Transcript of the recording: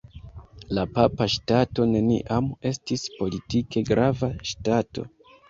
La Papa Ŝtato neniam estis politike grava ŝtato.